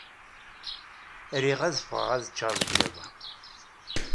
Riɣ ad ffɣeɣ ad ččeɣ deg yiḍ-a.